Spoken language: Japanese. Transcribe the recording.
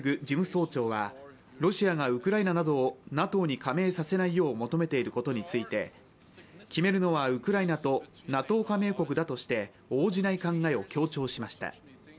事務総長は、ロシアがウクライナなどをＮＡＴＯに加盟させないよう求めていることについて決めるのはウクライナとＮＡＴＯ加盟国だとして応じない考えを強調しました。